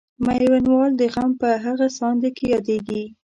میوندوال د غم په هغه ساندې کې یادیږي.